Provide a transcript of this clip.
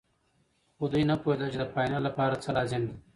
خو دوی نه پوهېدل چې د فاینل لپاره څه لازم دي.